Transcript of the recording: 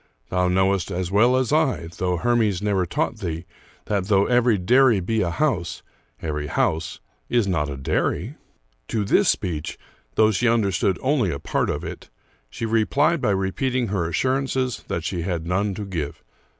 Thou knowest as well as I, though Hermes never taught thee, that, though every dairy be a house, every house is not a dairy." To this speech, though she understood only a part of it, she replied by repeating her assurances that 224 Charles Brockdcn Brozvn she had none to give.